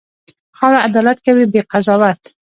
خاوره عدالت کوي، بې قضاوت.